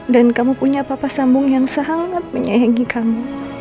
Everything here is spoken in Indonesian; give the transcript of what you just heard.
dan kamu punya papa sambung yang sangat menyayangi kamu